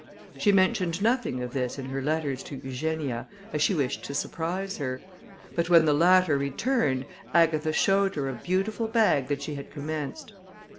She mentioned nothing of this in her letters to Eugenia, as she wished to surprise her; but when the latter returned, Agatha showed her a beautiful bag that she had commenced.